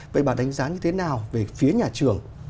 vậy bà đánh giá như thế nào về phía nhà trường